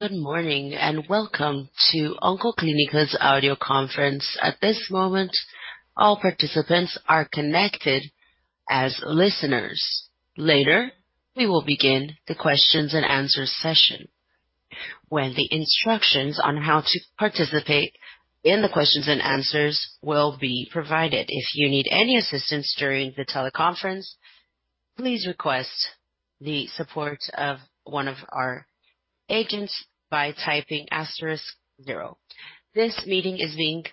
Good morning, and welcome to Oncoclínicas audio conference. At this moment, all participants are connected as listeners. Later, we will begin the questions and answers session, when the instructions on how to participate in the questions and answers will be provided. If you need any assistance during the teleconference, please request the support of one of our agents by typing asterisk zero. This meeting is being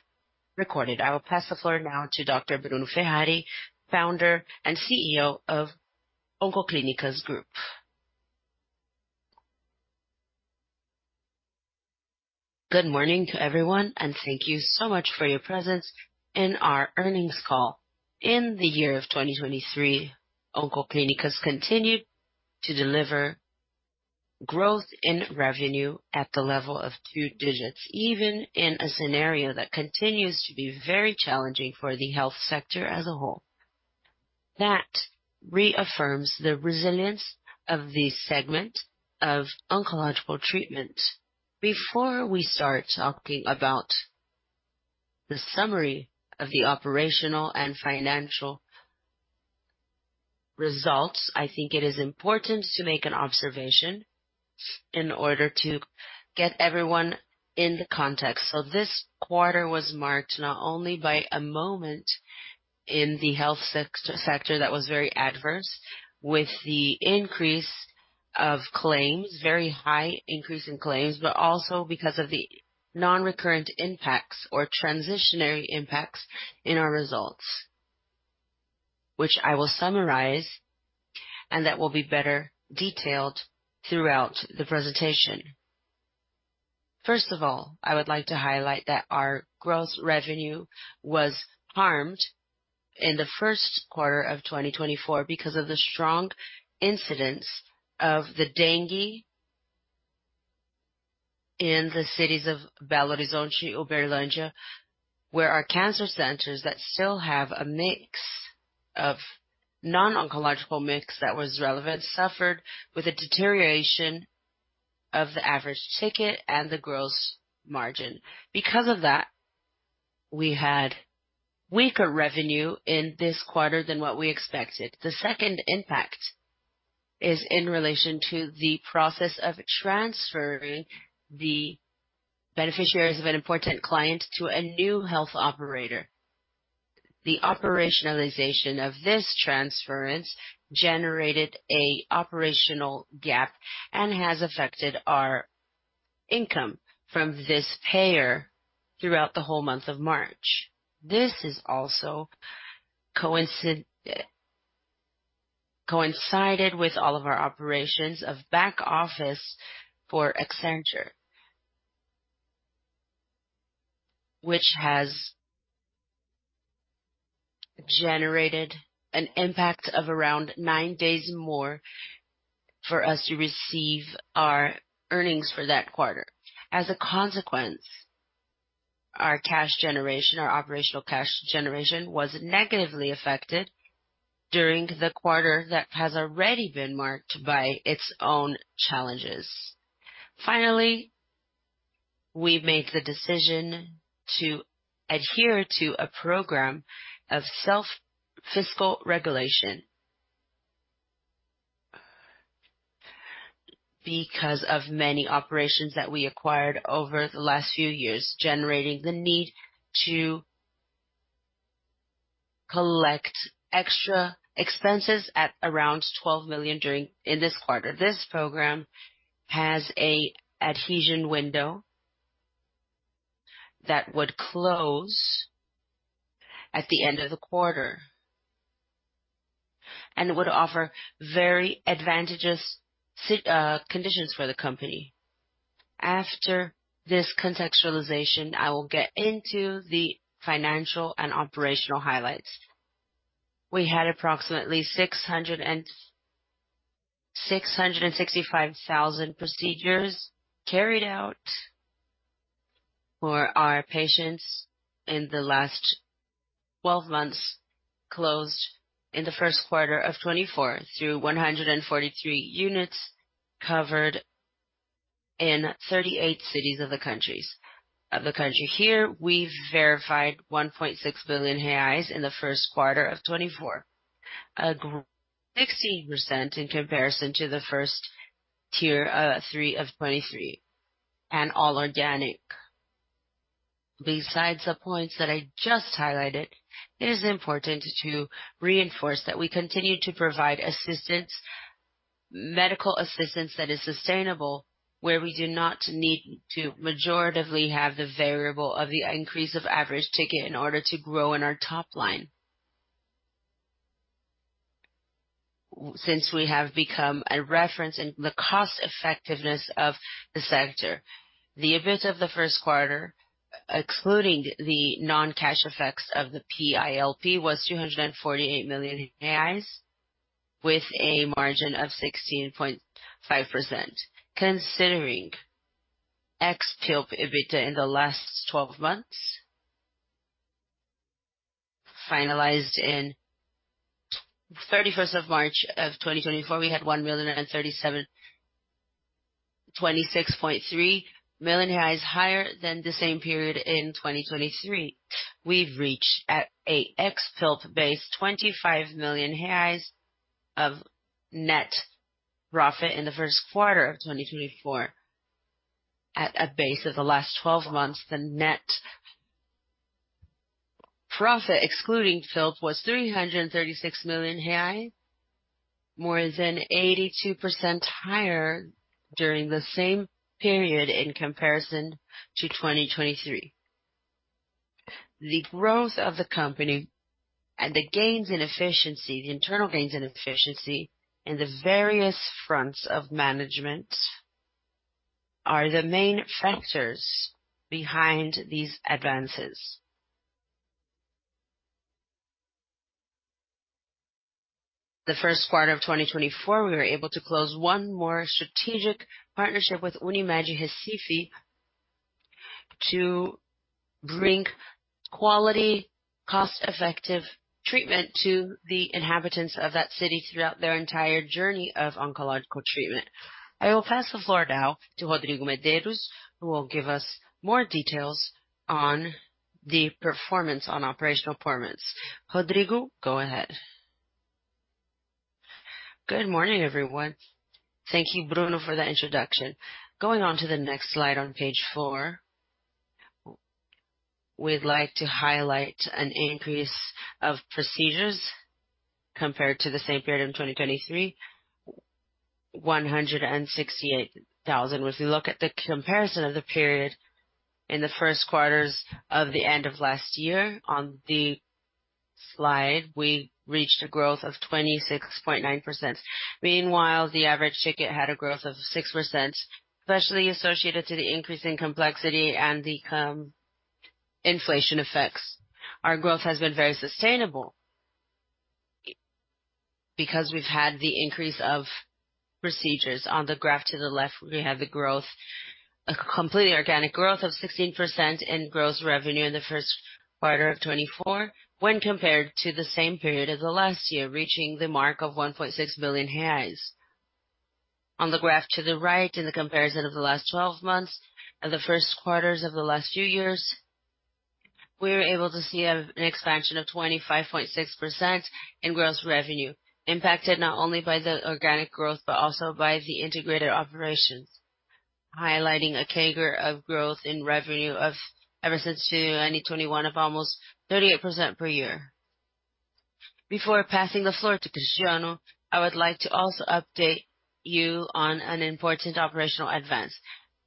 recorded. I will pass the floor now to Dr. Bruno Ferrari, founder and CEO of Oncoclínicas Group. Good morning to everyone, and thank you so much for your presence in our earnings call. In the year of 2023, Oncoclínicas continued to deliver growth in revenue at the level of two digits, even in a scenario that continues to be very challenging for the health sector as a whole. That reaffirms the resilience of the segment of oncological treatment. Before we start talking about the summary of the operational and financial results, I think it is important to make an observation in order to get everyone in the context. So this quarter was marked not only by a moment in the health sector that was very adverse, with the increase of claims, very high increase in claims, but also because of the non-recurrent impacts or transitory impacts in our results, which I will summarize and that will be better detailed throughout the presentation. First of all, I would like to highlight that our gross revenue was harmed in the first quarter of 2024 because of the strong incidence of the dengue in the cities of Belo Horizonte, Uberlândia, where our cancer centers that still have a mix of non-oncological mix that was relevant, suffered with a deterioration of the average ticket and the gross margin. Because of that, we had weaker revenue in this quarter than what we expected. The second impact is in relation to the process of transferring the beneficiaries of an important client to a new health operator. The operationalization of this transference generated a operational gap and has affected our income from this payer throughout the whole month of March. This is also coincided with all of our operations of back office for Accenture, which has generated an impact of around nine days more for us to receive our earnings for that quarter. As a consequence, our cash generation, our operational cash generation, was negatively affected during the quarter that has already been marked by its own challenges. Finally, we've made the decision to adhere to a program of self-fiscal regulation. Because of many operations that we acquired over the last few years, generating the need to collect extra expenses at around 12 million in this quarter. This program has an adhesion window that would close at the end of the quarter and would offer very advantageous conditions for the company. After this contextualization, I will get into the financial and operational highlights. We had approximately 665,000 procedures carried out for our patients in the last twelve months, closed in the first quarter of 2024, through 143 units covered in 38 cities of the countries, of the country. Here, we verified 1.6 billion reais in the first quarter of 2024, a 60% increase in comparison to the first quarter of 2023, and all organic. Besides the points that I just highlighted, it is important to reinforce that we continue to provide assistance, medical assistance that is sustainable, where we do not need to majoritively have the variable of the increase of average ticket in order to grow in our top line. Since we have become a reference in the cost effectiveness of the sector, the EBIT of the first quarter, excluding the non-cash effects of the PILP, was 248 million reais, with a margin of 16.5%. Considering ex PILP EBIT in the last twelve months finalized in the of March 31st, 2024, we had 1,037.26 million, higher than the same period in 2023. We've reached at a ex-PILP base, 25 million reais of net profit in the first quarter of 2024. At a base of the last twelve months, the net profit, excluding PILP, was 336 million, more than 82% higher during the same period in comparison to 2023. The growth of the company and the gains in efficiency, the internal gains in efficiency in the various fronts of management, are the main factors behind these advances. The first quarter of 2024, we were able to close one more strategic partnership with Unimed João Pessoa, to bring quality, cost-effective treatment to the inhabitants of that city throughout their entire journey of oncological treatment. I will pass the floor now to Rodrigo Medeiros, who will give us more details on the performance, on operational performance. Rodrigo, go ahead. Good morning, everyone. Thank you, Bruno, for that introduction. Going on to the next slide on page four, we'd like to highlight an increase of procedures compared to the same period in 2023, 168,000. If you look at the comparison of the period in the first quarters of the end of last year, on the slide, we reached a growth of 26.9%. Meanwhile, the average ticket had a growth of 6%, especially associated to the increase in complexity and the inflation effects. Our growth has been very sustainable, because we've had the increase of procedures. On the graph to the left, we have the growth, a completely organic growth of 16% in gross revenue in the first quarter of 2024 when compared to the same period as the last year, reaching the mark of 1.6 billion reais. On the graph to the right, in the comparison of the last twelve months and the first quarters of the last few years, we were able to see an expansion of 25.6% in gross revenue, impacted not only by the organic growth, but also by the integrated operations. Highlighting a CAGR of growth in revenue ever since 2021 of almost 38% per year. Before passing the floor to Cristiano, I would like to also update you on an important operational advance.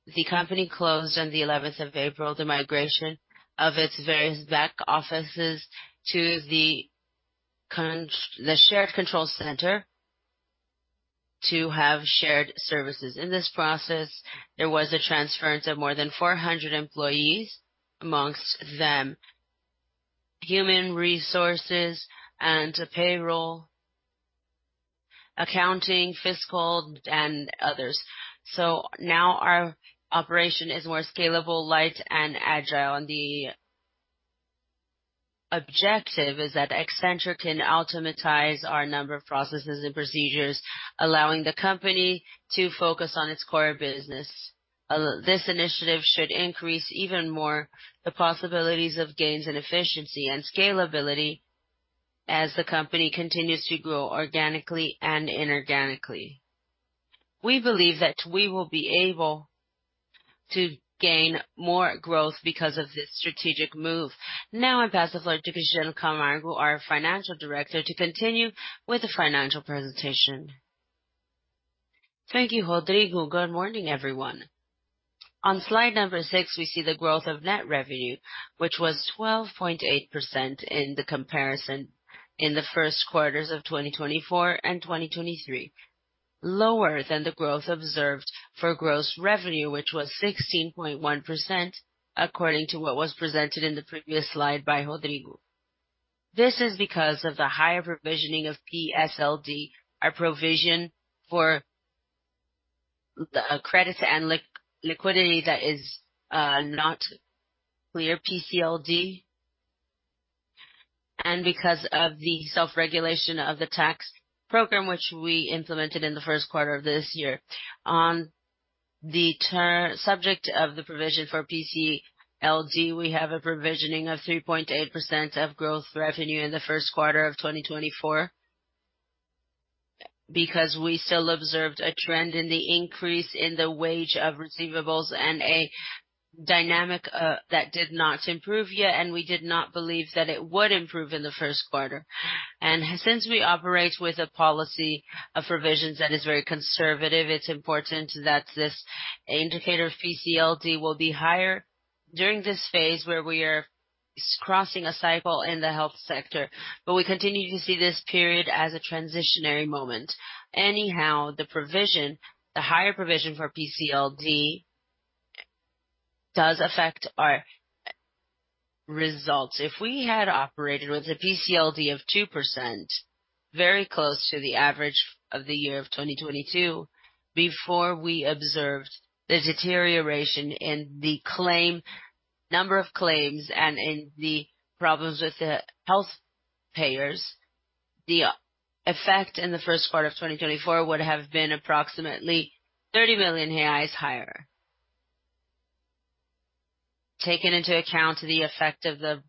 The company closed on the 11th of April, the migration of its various back offices to the shared control center, to have shared services. In this process, there was a transference of more than 400 employees, among them Human Resources and Payroll, Accounting, Fiscal, and others. So now our operation is more scalable, light, and agile, and the objective is that Accenture can automate our number of processes and procedures, allowing the company to focus on its core business. This initiative should increase even more the possibilities of gains and efficiency and scalability as the company continues to grow organically and inorganically. We believe that we will be able to gain more growth because of this strategic move. Now, I pass the floor to Cristiano Camargo, our Financial Director, to continue with the financial presentation. Thank you, Rodrigo. Good morning, everyone. On slide number six, we see the growth of net revenue, which was 12.8% in the comparison in the first quarters of 2024 and 2023. Lower than the growth observed for gross revenue, which was 16.1%, according to what was presented in the previous slide by Rodrigo. This is because of the higher provisioning of PCLD, our provision for the credit and liquidity that is not clear, PCLD, and because of the self-regulation of the tax program, which we implemented in the first quarter of this year. On the subject of the provision for PCLD, we have a provisioning of 3.8% of gross revenue in the first quarter of 2024, because we still observed a trend in the increase in the age of receivables and a dynamics that did not improve yet, and we did not believe that it would improve in the first quarter. Since we operate with a policy of provisions that is very conservative, it's important that this indicator, PCLD, will be higher during this phase, where we are crossing a cycle in the health sector. But we continue to see this period as a transitionary moment. Anyhow, the provision, the higher provision for PCLD, does affect our results. If we had operated with a PCLD of 2%, very close to the average of the year of 2022, before we observed the deterioration in the claims, number of claims and in the problems with the health payers. The effect in the first quarter of 2024 would have been approximately 30 million reais higher. Taking into account the effect of the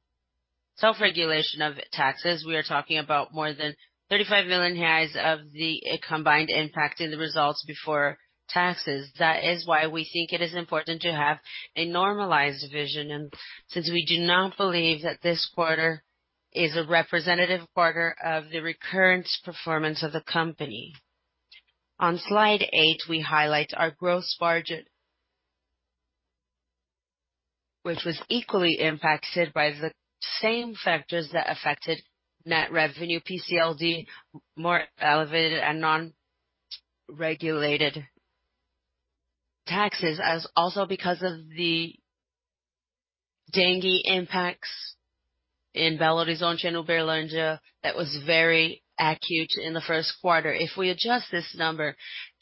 self-regulation of taxes, we are talking about more than 35 million reais of the combined impact in the results before taxes. That is why we think it is important to have a normalized vision, and since we do not believe that this quarter is a representative quarter of the recurrent performance of the company. On slide eight, we highlight our gross margin, which was equally impacted by the same factors that affected net revenue, PCLD, more elevated and non-regulated taxes, as also because of the dengue impacts in Belo Horizonte and Uberlândia, that was very acute in the first quarter. If we adjust this number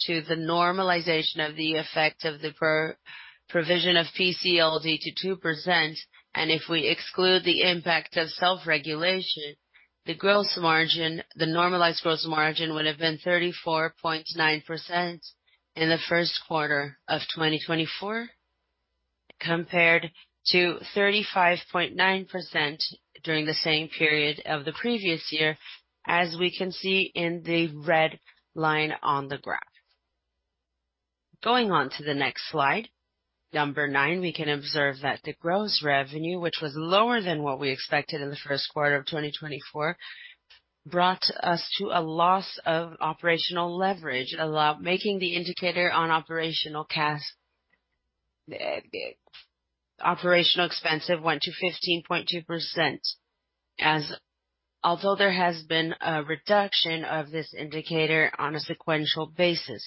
to the normalization of the effect of the provision of PCLD to 2%, and if we exclude the impact of self-regulation, the gross margin, the normalized gross margin would have been 34.9% in the first quarter of 2024, compared to 35.9% during the same period of the previous year, as we can see in the red line on the graph. Going on to the next slide, number 9, we can observe that the gross revenue, which was lower than what we expected in the first quarter of 2024, brought us to a loss of operational leverage, allow making the indicator on operational cash. The operational expenses went to 15.2%, as although there has been a reduction of this indicator on a sequential basis.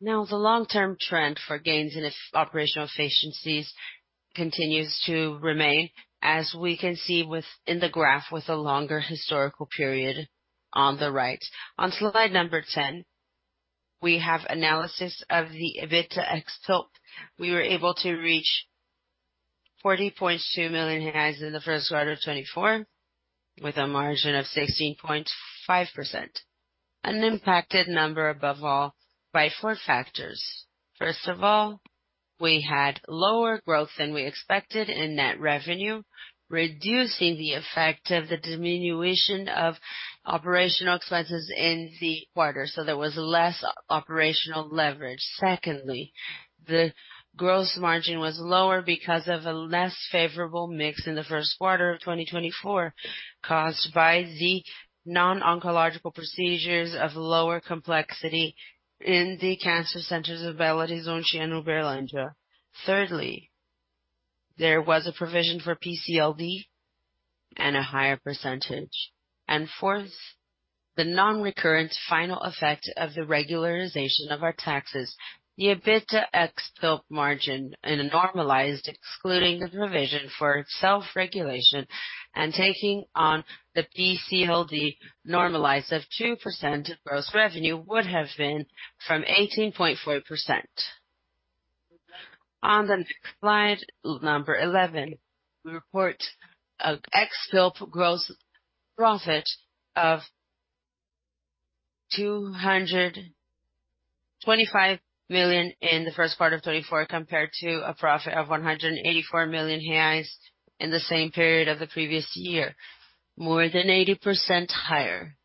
Now, the long-term trend for gains in operational efficiencies continues to remain, as we can see within the graph, with a longer historical period on the right. On slide number 10, we have analysis of the EBITDA ex-PILP. We were able to reach 40.2 million in the first quarter of 2024, with a margin of 16.5%. An impacted number, above all, by four factors. First of all, we had lower growth than we expected in net revenue, reducing the effect of the diminution of operational expenses in the quarter, so there was less operational leverage. Secondly, the gross margin was lower because of a less favorable mix in the first quarter of 2024, caused by the non-oncological procedures of lower complexity in the cancer centers of Belo Horizonte and Uberlândia. Thirdly, there was a provision for PCLD and a higher percentage. And fourth, the non-recurrent final effect of the regularization of our taxes, the EBITDA ex-PILP margin, in a normalized, excluding the provision for self-regulation and taking on the PCLD normalized of 2% of gross revenue, would have been from 18.4%. On slide 11, we report an ex-PILP gross profit of 225 million in the first quarter of 2024, compared to a profit of 184 million reais in the same period of the previous year, more than 80% higher.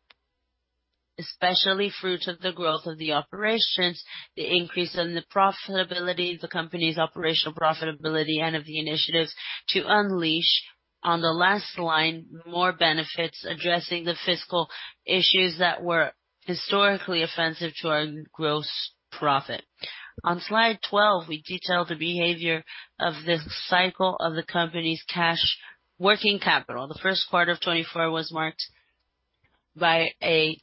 Especially fruit of the growth of the operations, the increase in the profitability, the company's operational profitability, and of the initiatives to unleash on the last line, more benefits, addressing the fiscal issues that were historically offensive to our gross profit. On slide 12, we detail the behavior of this cycle of the company's cash working capital. The first quarter of 2024 was marked by a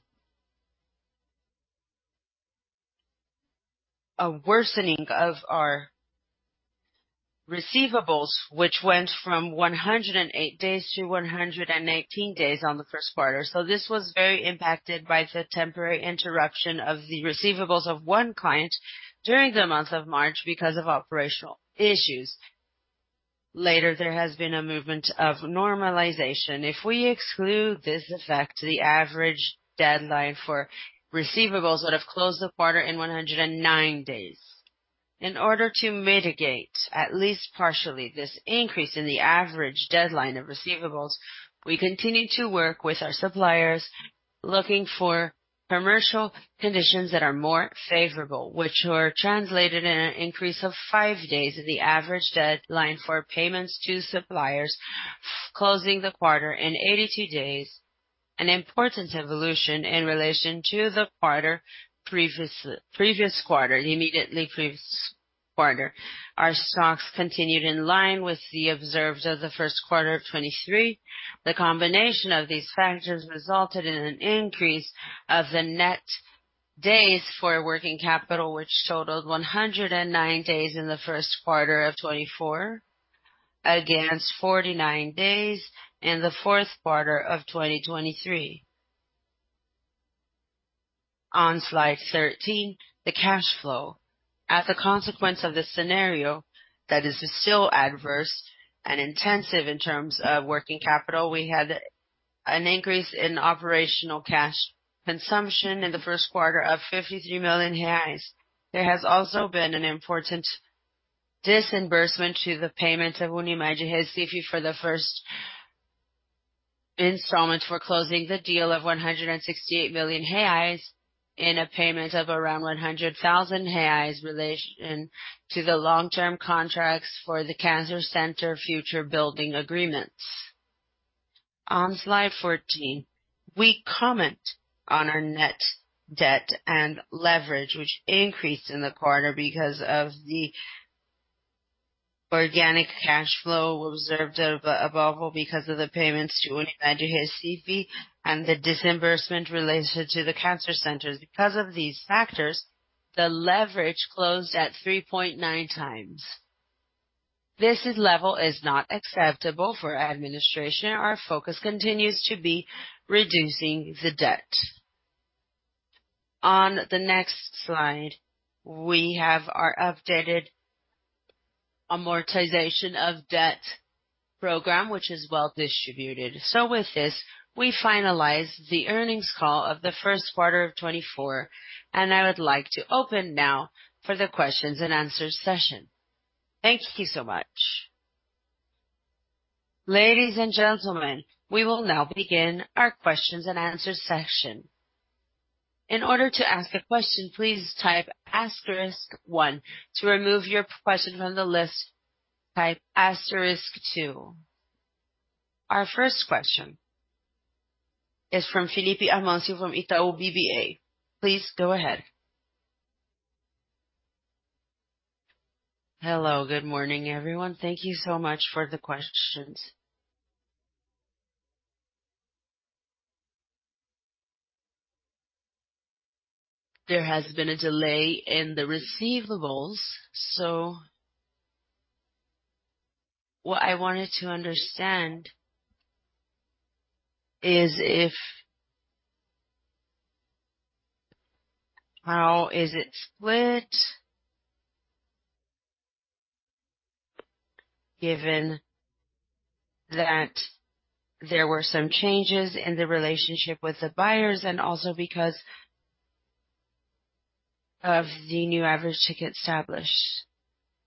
worsening of our receivables, which went from 108 days to 118 days on the first quarter. So this was very impacted by the temporary interruption of the receivables of one client during the month of March because of operational issues. Later, there has been a movement of normalization. If we exclude this effect, the average deadline for receivables would have closed the quarter in 109 days. In order to mitigate, at least partially, this increase in the average deadline of receivables, we continued to work with our suppliers, looking for commercial conditions that are more favorable, which were translated in an increase of 5 days of the average deadline for payments to suppliers, closing the quarter in 82 days. An important evolution in relation to the immediately previous quarter. Our stocks continued in line with the observed of the first quarter of 2023. The combination of these factors resulted in an increase of the net days for working capital, which totaled 109 days in the first quarter of 2024 against 49 days in the fourth quarter of 2023. On slide 13, the cash flow, as a consequence of the scenario that is still adverse and intensive in terms of working capital, we had an increase in operational cash consumption in the first quarter of 53 million reais. There has also been an important disbursement to the payments of Unimed do Recife for the first installment for closing the deal of 168 million reais, in a payment of around 100,000 reais, in relation to the long-term contracts for the cancer center future building agreements. On slide 14, we comment on our net debt and leverage, which increased in the quarter because of the organic cash flow observed above all, because of the payments to Unimed do Recife and the disbursement related to the cancer centers. Because of these factors, the leverage closed at 3.9x. This level is not acceptable for administration. Our focus continues to be reducing the debt. On the next slide, we have our updated amortization of debt program, which is well distributed. So with this, we finalize the earnings call of the first quarter of 2024, and I would like to open now for the questions and answers session. Thank you so much. Ladies and gentlemen, we will now begin our questions and answers session. In order to ask a question, please type asterisk one. To remove your question from the list, type asterisk two. Our first question is from Felipe Amancio, from Itaú BBA. Please go ahead. Hello, good morning, everyone. Thank you so much for the questions. There has been a delay in the receivables, so what I wanted to understand is if how is it split, given that there were some changes in the relationship with the buyers, and also because of the new average ticket established?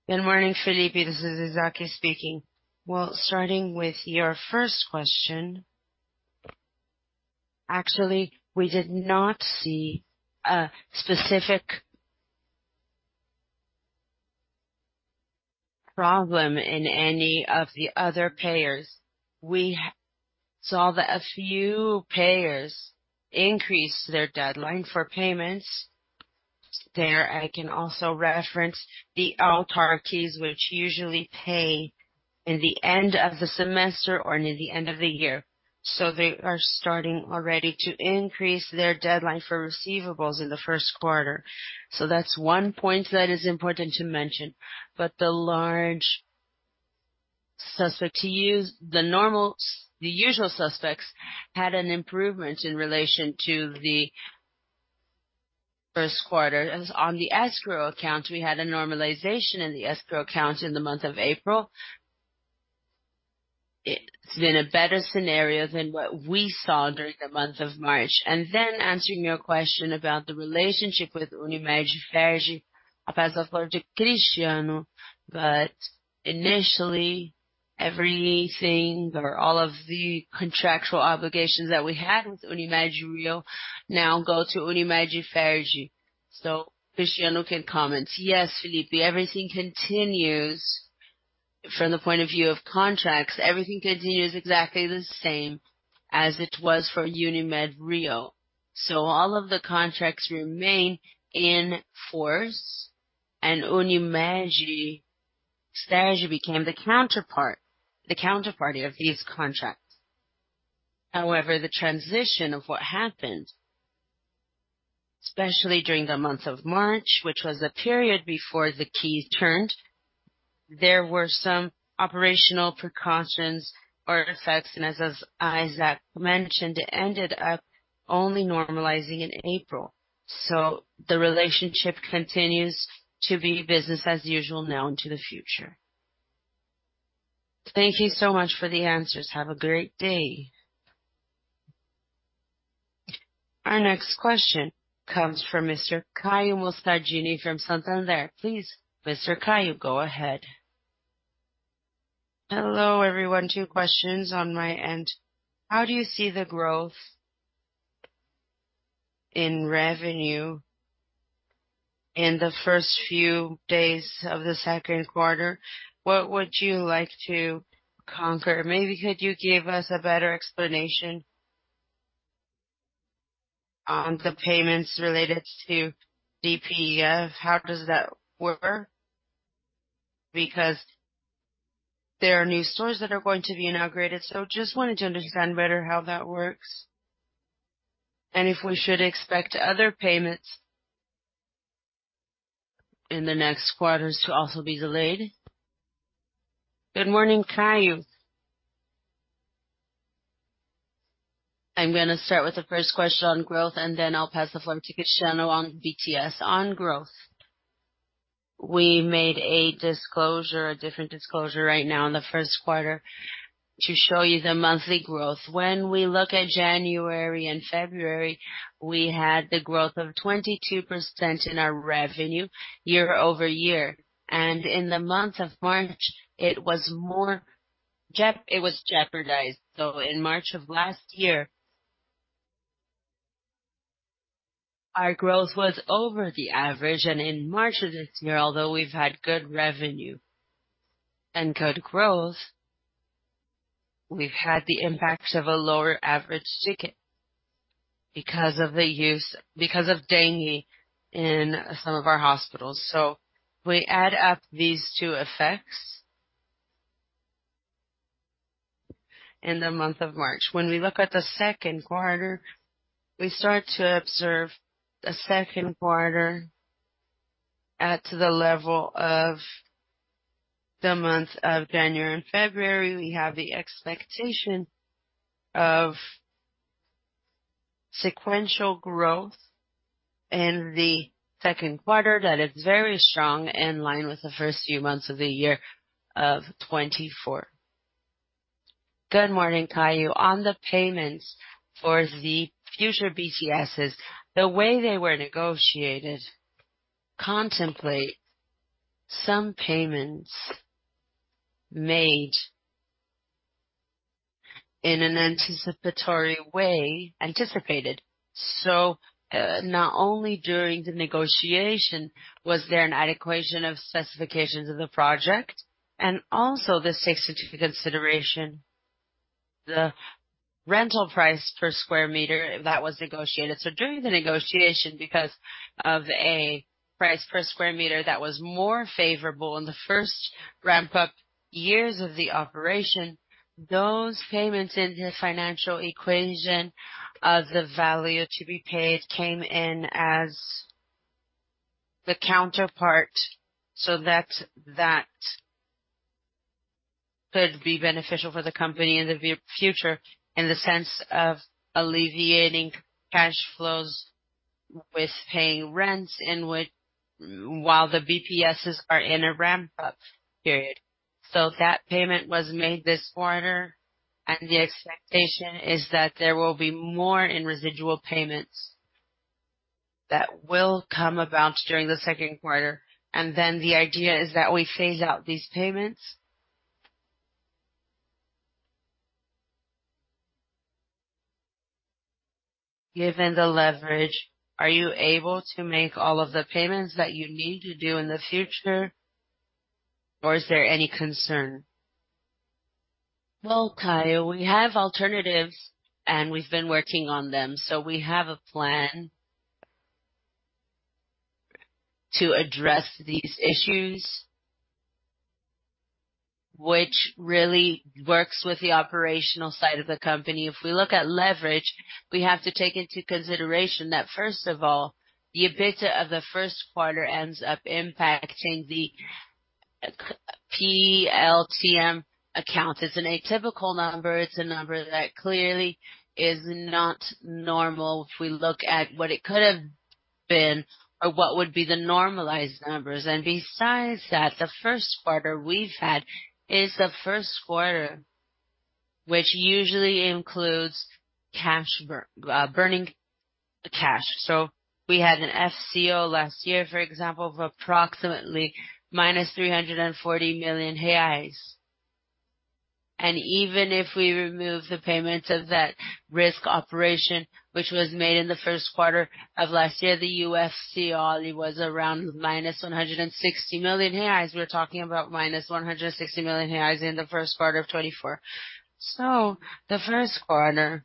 Good morning, Felipe. This is Isaac speaking. Well, starting with your first question, actually, we did not see a specific problem in any of the other payers. We saw that a few payers increased their deadline for payments. There, I can also reference the autarkies, which usually pay in the end of the semester or near the end of the year, so they are starting already to increase their deadline for receivables in the first quarter. So that's one point that is important to mention. But the large suspect to use-- the normal, the usual suspects had an improvement in relation to the first quarter. And on the escrow account, we had a normalization in the escrow account in the month of April. It's been a better scenario than what we saw during the month of March. Then answering your question about the relationship with Unimed Ferj, Cristiano. But initially, everything or all of the contractual obligations that we had with Unimed-Rio now go to Unimed Ferj. So Cristiano can comment. Yes, Felipe. Everything continues from the point of view of contracts. Everything continues exactly the same as it was for Unimed-Rio, so all of the contracts remain in force. And Unimed Ferj became the counterpart, the counterparty of these contracts. However, the transition of what happened, especially during the month of March, which was the period before the keys turned, there were some operational precautions or effects, and as Isaac mentioned, it ended up only normalizing in April. So the relationship continues to be business as usual now into the future. Thank you so much for the answers. Have a great day. Our next question comes from Mr. Caio Moscardini from Santander. Please, Mr. Caio, go ahead. Hello, everyone. Two questions on my end. How do you see the growth in revenue in the first few days of the second quarter? What would you like to conquer? Maybe could you give us a better explanation on the payments related to BTS? How does that work? Because there are new stores that are going to be inaugurated, so just wanted to understand better how that works and if we should expect other payment in the next quarters to also be delayed? Good morning, Caio. I'm gonna start with the first question on growth, and then I'll pass the floor to Cristiano on BTS. On growth, we made a disclosure, a different disclosure right now in the first quarter to show you the monthly growth. When we look at January and February, we had the growth of 22% in our revenue year-over-year, and in the month of March, it was jeopardized. So in March of last year, our growth was over the average, and in March of this year, although we've had good revenue and good growth, we've had the impact of a lower average ticket because of the issue, because of dengue in some of our hospitals. So we add up these two effects in the month of March. When we look at the second quarter, we start to observe the second quarter at to the level of the months of January and February. We have the expectation of sequential growth in the second quarter that is very strong, in line with the first few months of the year of 2024. Good morning, Caio. On the payments for the future BTSs, the way they were negotiated contemplate some payments made in an anticipatory way, anticipated. So, not only during the negotiation was there an adequacy of specifications of the project, and also this takes into consideration the rental price per square meter that was negotiated. So during the negotiation, because of a price per square meter that was more favorable in the first ramp-up years of the operation, those payments in the financial equation of the value to be paid came in as the counterpart, so that, that could be beneficial for the company in the future, in the sense of alleviating cash flows with paying rents and while the BTS are in a ramp-up period. So that payment was made this quarter, and the expectation is that there will be more in residual payments that will come about during the second quarter. And then the idea is that we phase out these payments. Given the leverage, are you able to make all of the payments that you need to do in the future, or is there any concern? Well, Caio, we have alternatives, and we've been working on them. So we have a plan to address these issues, which really works with the operational side of the company. If we look at leverage, we have to take into consideration that, first of all, the EBITDA of the first quarter ends up impacting the LTM account. It's an atypical number. It's a number that clearly is not normal, if we look at what it could have been or what would be the normalized numbers. And besides that, the first quarter we've had is the first quarter, which usually includes cash burn, burning the cash. So we had an FCO last year, for example, of approximately -340 million reais. And even if we remove the payments of that risk operation, which was made in the first quarter of last year, the FCO only was around -160 million reais. We're talking about -160 million reais in the first quarter of 2024. So the first quarter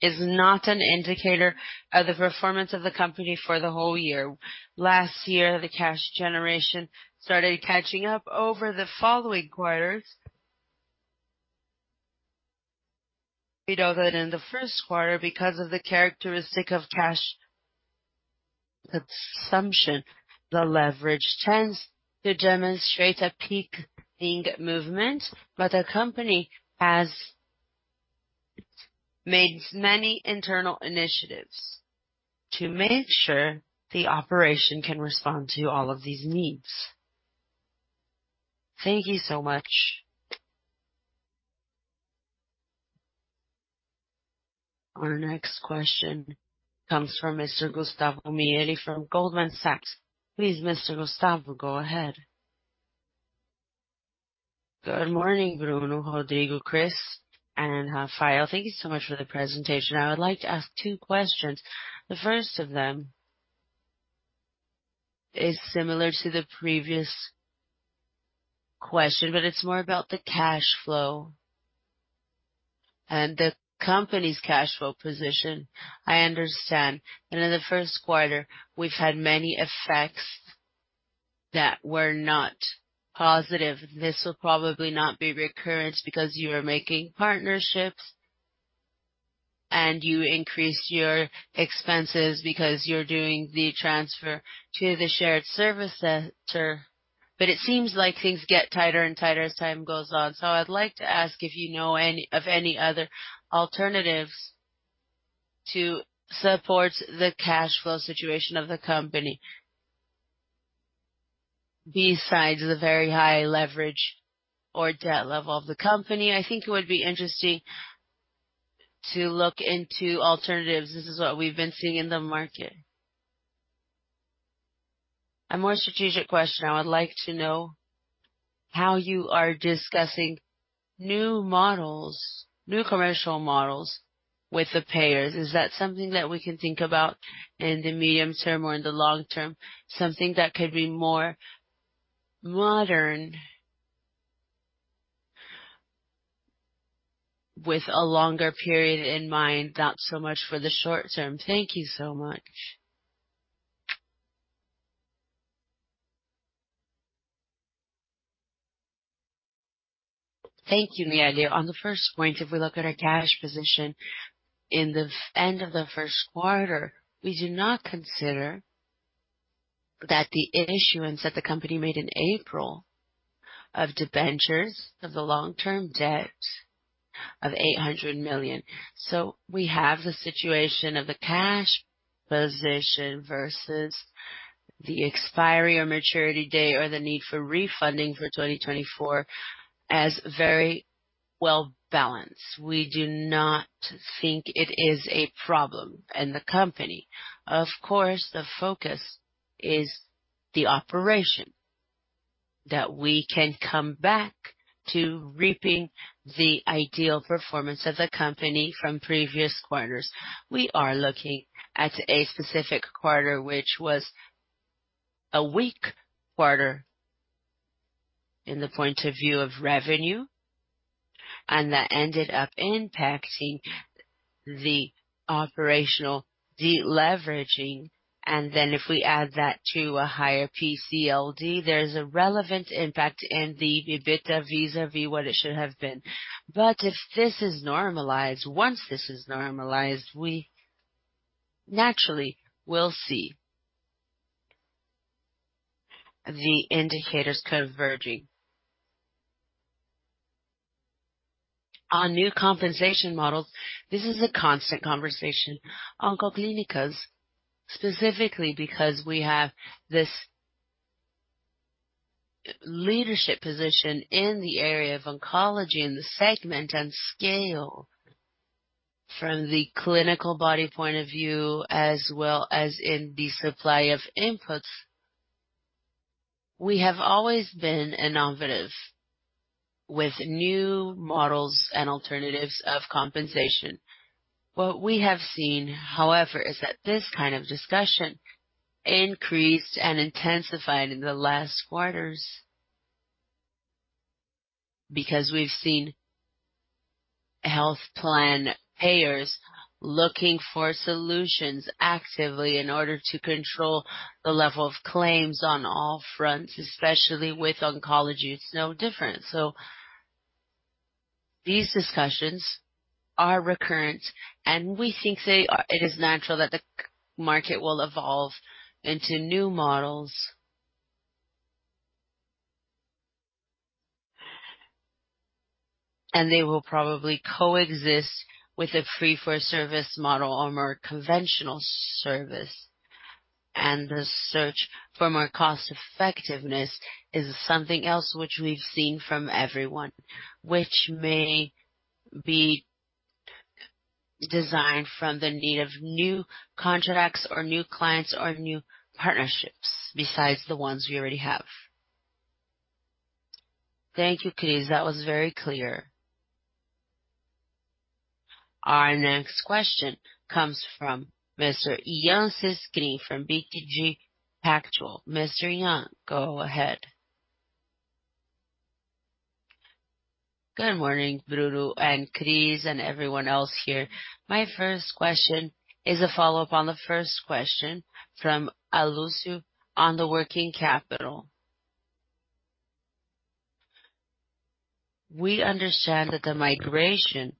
is not an indicator of the performance of the company for the whole year. Last year, the cash generation started catching up over the following quarters. We know that in the first quarter, because of the characteristic of cash consumption, the leverage tends to demonstrate a peaking movement, but the company has made many internal initiatives to make sure the operation can respond to all of these needs. Thank you so much. Our next question comes from Mr. Gustavo Miele from Goldman Sachs. Please, Mr. Gustavo, go ahead. Good morning, Bruno, Rodrigo, Chris, and Rafael. Thank you so much for the presentation. I would like to ask two questions. The first of them is similar to the previous question, but it's more about the cash flow and the company's cash flow position. I understand that in the first quarter, we've had many effects that were not positive. This will probably not be recurrent, because you are making partnerships, and you increase your expenses because you're doing the transfer to the shared service center. But it seems like things get tighter and tighter as time goes on. So I'd like to ask if you know any, of any other alternatives to support the cash flow situation of the company, besides the very high leverage or debt level of the company? I think it would be interesting to look into alternatives. This is what we've been seeing in the market. A more strategic question, I would like to know how you are discussing new models, new commercial models with the payers. Is that something that we can think about in the medium term or in the long term, something that could be more modern with a longer period in mind, not so much for the short term? Thank you so much. Thank you, Miele. On the first point, if we look at our cash position in the end of the first quarter, we do not consider that the issuance that the company made in April of debentures of the long-term debt of 800 million. So we have the situation of the cash position versus the expiry or maturity date or the need for refunding for 2024 as very well balanced. We do not think it is a problem in the company. Of course, the focus is the operation, that we can come back to reaping the ideal performance of the company from previous quarters. We are looking at a specific quarter, which was a weak quarter in the point of view of revenue, and that ended up impacting the operational deleveraging. And then if we add that to a higher PCLD, there's a relevant impact in the EBITDA vis-à-vis what it should have been. But if this is normalized, once this is normalized, we naturally will see the indicators converging. On new compensation models, this is a constant conversation. Oncoclínicas, specifically because we have this leadership position in the area of oncology, in the segment and scale from the clinical body point of view, as well as in the supply of inputs. We have always been innovative with new models and alternatives of compensation. What we have seen, however, is that this kind of discussion increased and intensified in the last quarters. Because we've seen health plan payers looking for solutions actively in order to control the level of claims on all fronts, especially with oncology, it's no different. So these discussions are recurrent, and we think it is natural that the cancer market will evolve into new models. And they will probably coexist with a fee-for-service model or more conventional service. And the search for more cost effectiveness is something else which we've seen from everyone, which may be designed from the need of new contracts or new clients or new partnerships, besides the ones we already have. Thank you, Cris. That was very clear. Our next question comes from Mr. Ian Cesquim from BTG Pactual. Mr. Ian, go ahead. Good morning, Bruno and Cris and everyone else here. My first question is a follow-up on the first question from Amancio on the working capital. We understand that the migration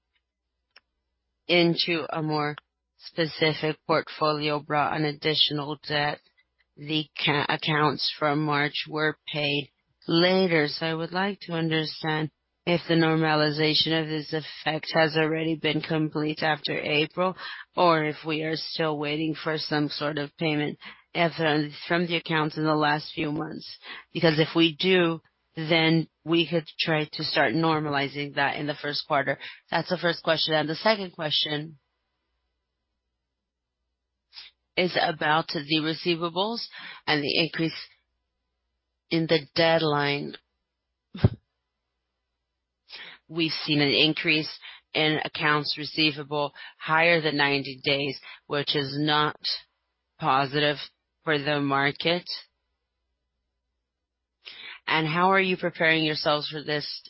into a more specific portfolio brought an additional debt. The cash accounts from March were paid later. So I would like to understand if the normalization of this effect has already been complete after April, or if we are still waiting for some sort of payment as from the accounts in the last few months. Because if we do, then we could try to start normalizing that in the first quarter. That's the first question. The second question is about the receivables and the increase in the deadline. We've seen an increase in accounts receivable higher than 90 days, which is not positive for the market. And how are you preparing yourselves for this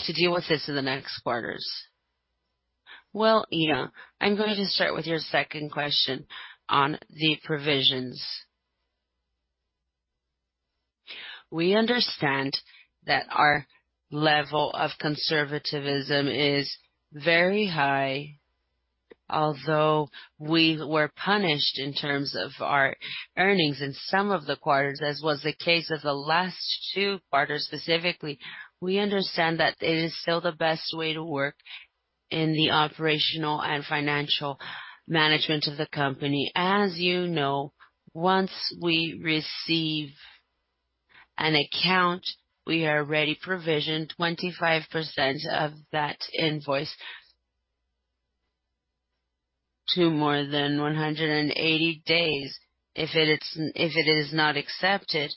to deal with this in the next quarters? Well, Ian, I'm going to start with your second question on the provisions... We understand that our level of conservatism is very high, although we were punished in terms of our earnings in some of the quarters, as was the case of the last two quarters specifically. We understand that it is still the best way to work in the operational and financial management of the company. As you know, once we receive an account, we are already provisioned 25% of that invoice to more than 180 days. If it is, if it is not accepted,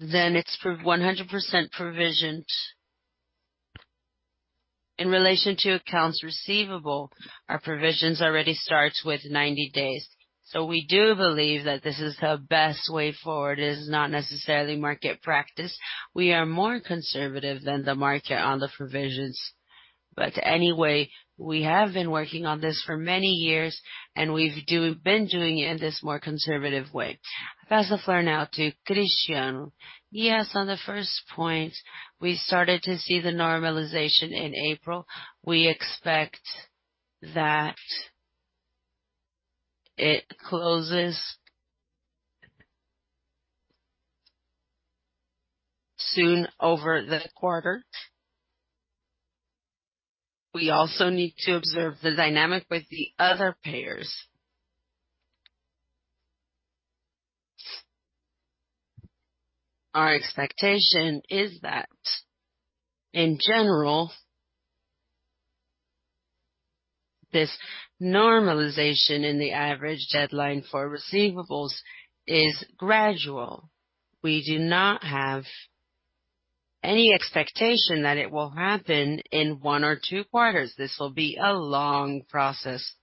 then it's pro 100% provisioned. In relation to accounts receivable, our provisions already starts with 90 days. So we do believe that this is the best way forward, it is not necessarily market practice. We are more conservative than the market on the provisions, but anyway, we have been working on this for many years, and we've been doing it in this more conservative way. Pass the floor now to Cristiano. Yes, on the first point, we started to see the normalization in April. We expect that it closes soon over the quarter. We also need to observe the dynamic with the other payers. Our expectation is that, in general, this normalization in the average deadline for receivables is gradual. We do not have any expectation that it will happen in one or two quarters. This will be a long process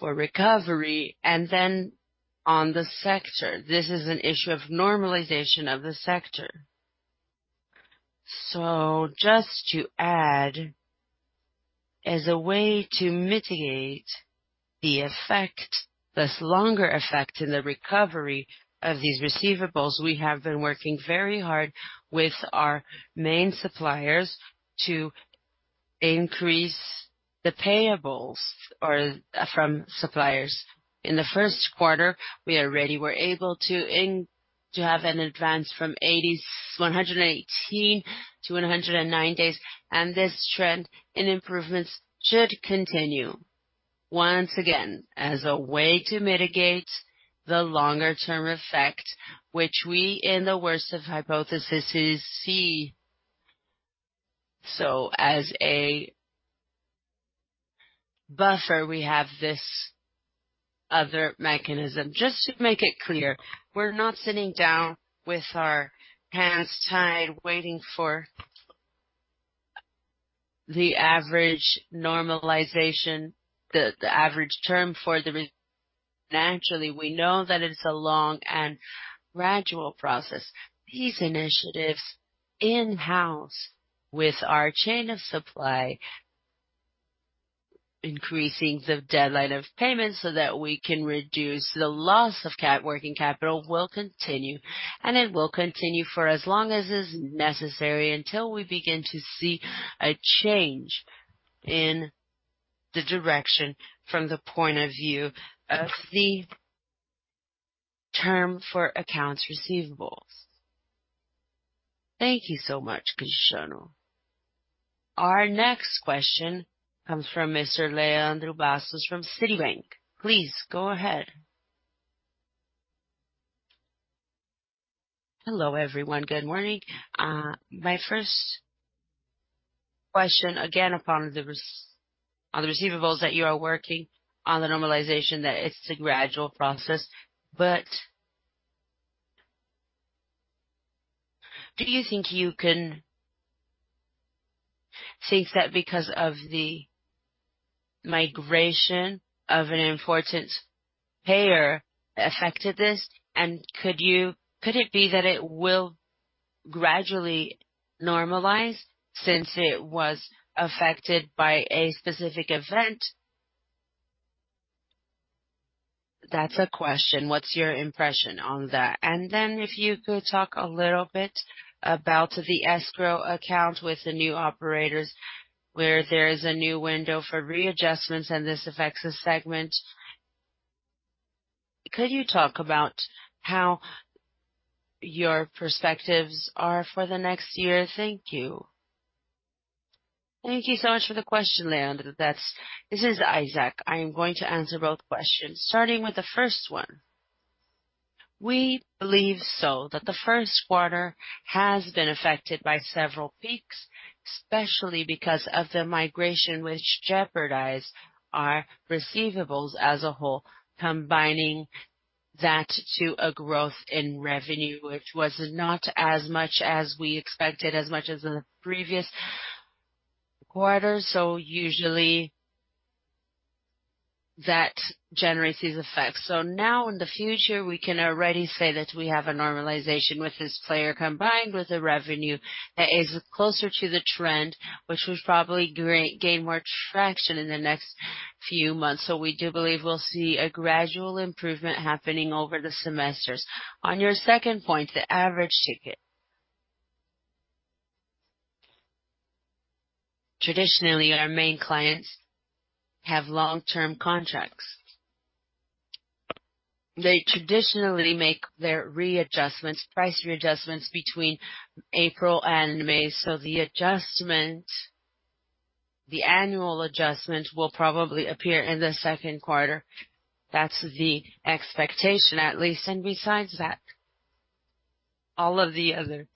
for recovery. And then on the sector, this is an issue of normalization of the sector. So just to add, as a way to mitigate the effect, this longer effect in the recovery of these receivables, we have been working very hard with our main suppliers to increase the payables or from suppliers. In the first quarter, we already were able to have an advance from 80s, 118-109 days, and this trend in improvements should continue. Once again, as a way to mitigate the longer term effect, which we, in the worst of hypotheses, see. So as a buffer, we have this other mechanism. Just to make it clear, we're not sitting down with our hands tied, waiting for the average normalization, the average term for the... Naturally, we know that it's a long and gradual process. These initiatives in-house with our chain of supply, increasing the deadline of payments so that we can reduce the loss of working capital, will continue, and it will continue for as long as is necessary, until we begin to see a change in the direction from the point of view of the term for accounts receivables. Thank you so much, Cristiano. Our next question comes from Mr. Leandro Bastos from Citibank. Please go ahead. Hello, everyone. Good morning. My first question, again, on the receivables, that you are working on the normalization, that it's a gradual process. But, do you think you can think that because of the migration of an important payer affected this? And could it be that it will gradually normalize since it was affected by a specific event? That's a question. What's your impression on that? And then if you could talk a little bit about the escrow account with the new operators, where there is a new window for readjustments, and this affects the segment. Could you talk about how your perspectives are for the next year? Thank you. Thank you so much for the question, Leandro. This is Isaac. I am going to answer both questions, starting with the first one. We believe so, that the first quarter has been affected by several peaks, especially because of the migration, which jeopardized our receivables as a whole, combining that to a growth in revenue, which was not as much as we expected, as much as in the previous quarter. So usually, that generates these effects. So now, in the future, we can already say that we have a normalization with this player, combined with a revenue that is closer to the trend, which would probably gain more traction in the next few months. So we do believe we'll see a gradual improvement happening over the semesters. On your second point, the average ticket traditionally, our main clients have long-term contracts. They traditionally make their readjustments, price readjustments between April and May, so the adjustment, the annual adjustment, will probably appear in the second quarter. That's the expectation, at least. And besides that, all of the other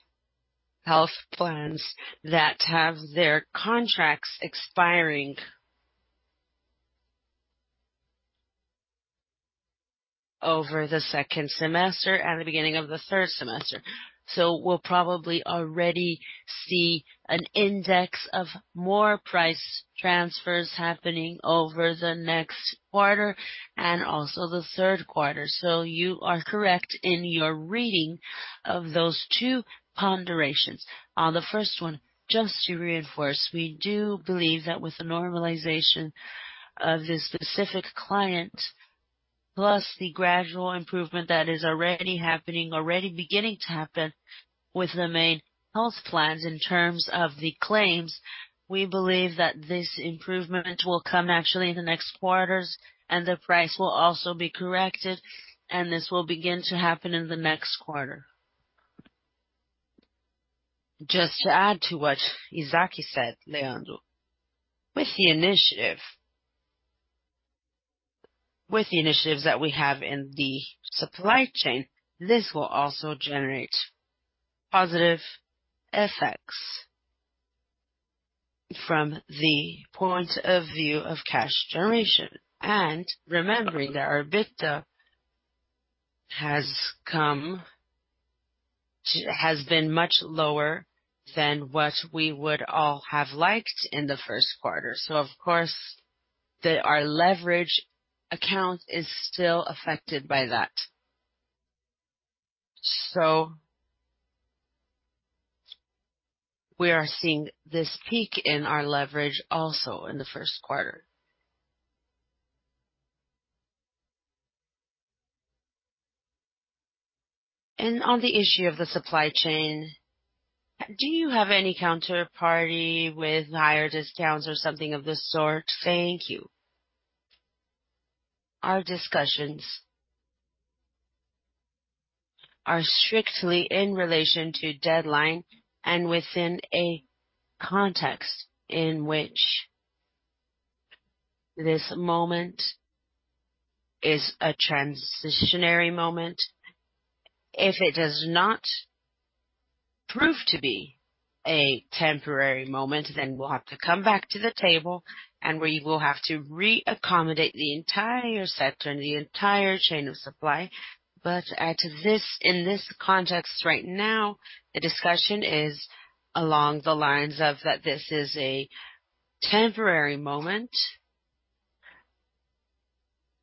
health plans that have their contracts expiring over the second semester and the beginning of the third semester. So we'll probably already see an index of more price transfers happening over the next quarter and also the third quarter. So you are correct in your reading of those two ponderations. On the first one, just to reinforce, we do believe that with the normalization of this specific client, plus the gradual improvement that is already happening, already beginning to happen with the main health plans in terms of the claims, we believe that this improvement will come actually in the next quarters, and the price will also be corrected, and this will begin to happen in the next quarter. Just to add to what Isaac said, Leandro, with the initiatives that we have in the supply chain, this will also generate positive effects from the point of view of cash generation. And remembering that our EBITDA has been much lower than what we would all have liked in the first quarter. So of course, that our leverage account is still affected by that. So we are seeing this peak in our leverage also in the first quarter. And on the issue of the supply chain, do you have any counterparty with higher discounts or something of the sort? Thank you. Our discussions are strictly in relation to deadline and within a context in which this moment is a transitory moment. If it does not prove to be a temporary moment, then we'll have to come back to the table, and we will have to re-accommodate the entire sector and the entire chain of supply. But at this in this context, right now, the discussion is along the lines of that this is a temporary moment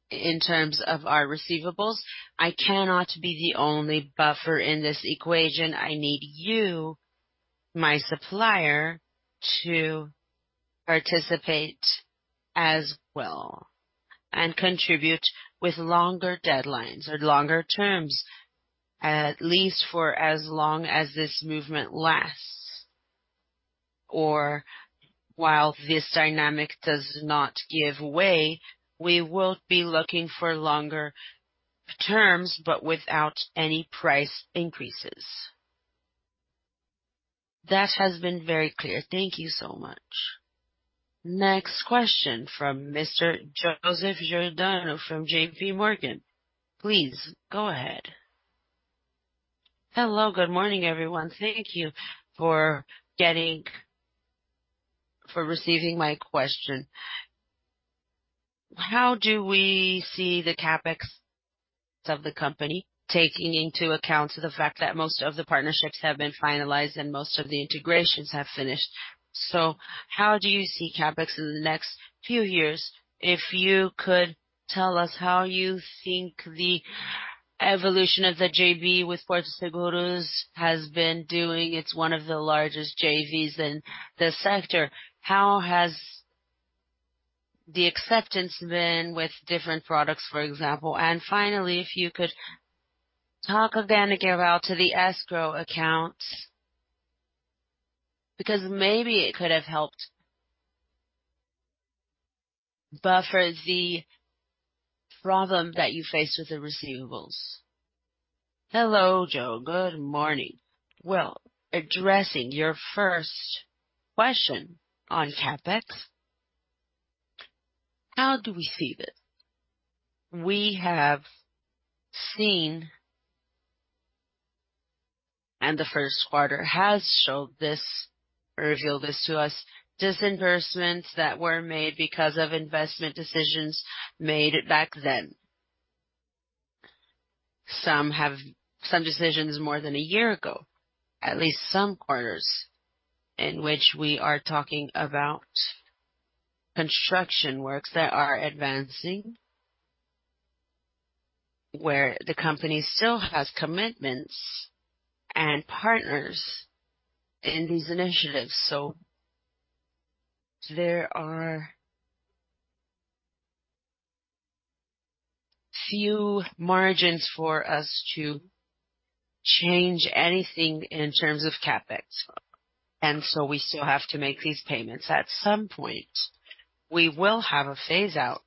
in terms of our receivables. I cannot be the only buffer in this equation. I need you, my supplier, to participate as well and contribute with longer deadlines or longer terms, at least for as long as this movement lasts or while this dynamic does not give way, we will be looking for longer terms, but without any price increases. That has been very clear. Thank you so much. Next question from Mr. Joseph Giordano from JP Morgan. Please go ahead. Hello, good morning, everyone. Thank you for receiving my question. How do we see the CapEx of the company, taking into account the fact that most of the partnerships have been finalized and most of the integrations have finished? So how do you see CapEx in the next few years? If you could tell us how you think the evolution of the JV with Porto Seguro has been doing? It's one of the largest JVs in the sector. How has the acceptance been with different products, for example? And finally, if you could talk again about the escrow account, because maybe it could have helped buffer the problem that you faced with the receivables. Hello, Joe. Good morning. Well, addressing your first question on CapEx, how do we see this? We have seen, and the first quarter has showed this, or revealed this to us, disbursements that were made because of investment decisions made back then. Some decisions more than a year ago, at least some quarters, in which we are talking about construction works that are advancing, where the company still has commitments and partners in these initiatives. So there are few margins for us to change anything in terms of CapEx, and so we still have to make these payments. At some point, we will have a phase out.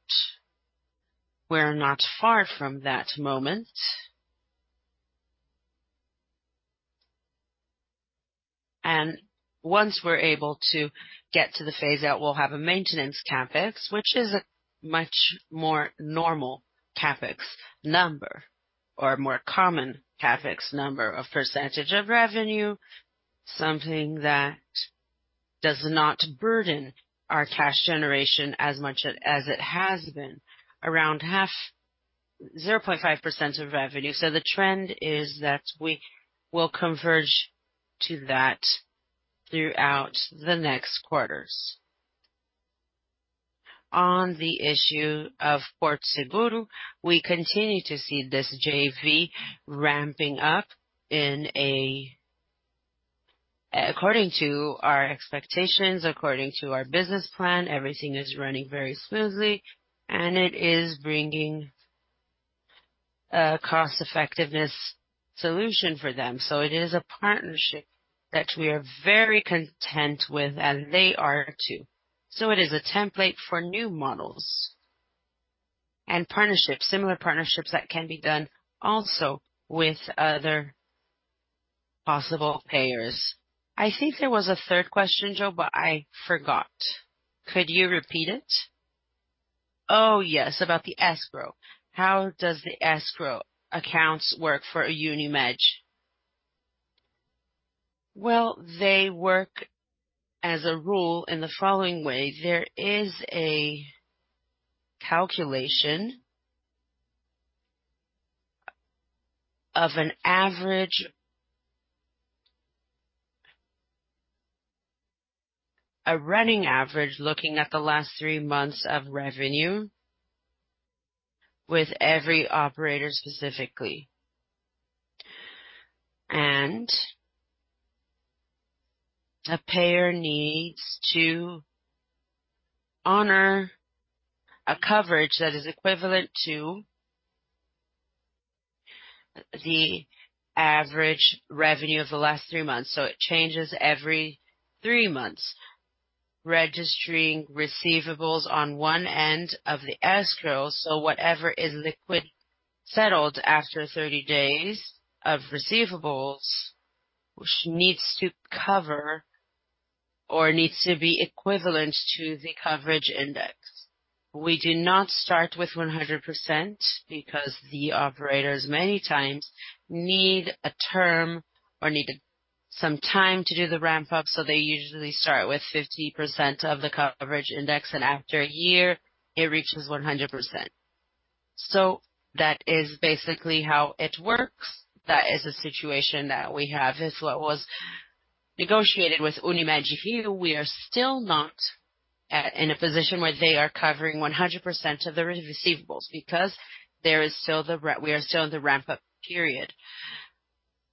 We're not far from that moment. Once we're able to get to the phase out, we'll have a maintenance CapEx, which is a much more normal CapEx number or a more common CapEx number of percentage of revenue, something that does not burden our cash generation as much as it has been, around half, 0.5% of revenue. The trend is that we will converge to that throughout the next quarters. On the issue of Porto Seguro, we continue to see this JV ramping up according to our expectations, according to our business plan, everything is running very smoothly, and it is bringing a cost effectiveness solution for them. So it is a partnership that we are very content with, and they are, too. So it is a template for new models and partnerships, similar partnerships that can be done also with other possible payers. I think there was a third question, Joe, but I forgot. Could you repeat it? Oh, yes, about the escrow. How does the escrow accounts work for Unimed? Well, they work as a rule in the following way: there is a calculation of an average, a running average, looking at the last three months of revenue with every operator specifically. A payer needs to honor a coverage that is equivalent to the average revenue of the last three months, so it changes every three months, registering receivables on one end of the escrow. So whatever is liquid, settled after 30 days of receivables, which needs to cover or needs to be equivalent to the coverage index. We do not start with 100% because the operators, many times, need a term or need some time to do the ramp-up, so they usually start with 50% of the coverage index, and after a year, it reaches 100%. So that is basically how it works. That is a situation that we have. It's what was negotiated with Unimed-Rio. We are still not in a position where they are covering 100% of the receivables because we are still in the ramp-up period.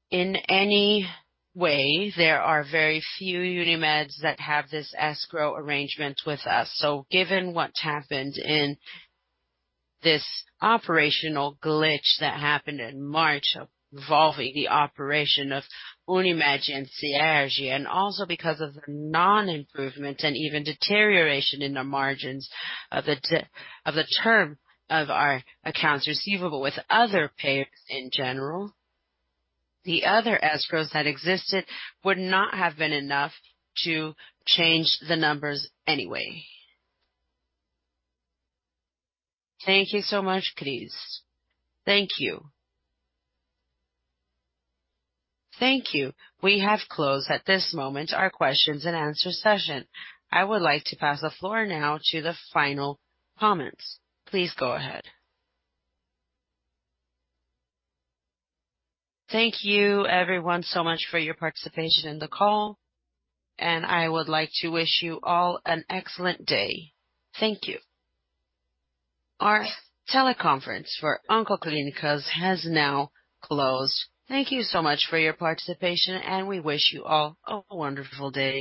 In any way, there are very few Unimeds that have this escrow arrangement with us. So given what happened in this operational glitch that happened in March, involving the operation of Unimed and Sírio, and also because of the non-improvement and even deterioration in the margins of the term of our accounts receivable with other payers in general, the other escrows that existed would not have been enough to change the numbers anyway. Thank you so much, Chris. Thank you. Thank you. We have closed at this moment our questions and answer session. I would like to pass the floor now to the final comments. Please go ahead. Thank you, everyone, so much for your participation in the call, and I would like to wish you all an excellent day. Thank you. Our teleconference for Oncoclínicas has now closed. Thank you so much for your participation, and we wish you all a wonderful day.